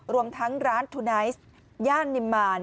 รวมทั้งร้านทูไนซ์ย่านนิมมาร